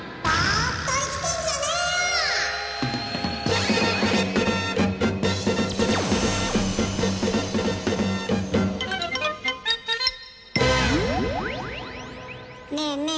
ねえねえ